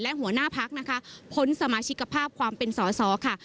และหัวหน้าพักนะคะพ้นสมาชิกภาพความเป็นสอสอค่ะ